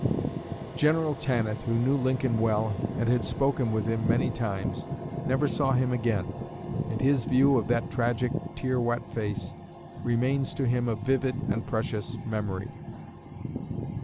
General Tannatt, who knew Lincoln well and had spoken with him many times, never saw him again; and his view of that tragic, tear wet face remains to him a vivid and precious memory.